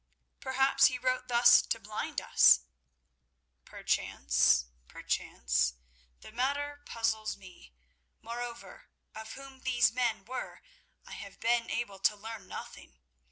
"Perhaps he wrote thus to blind us." "Perchance, perchance. The matter puzzles me. Moreover, of whom these men were I have been able to learn nothing.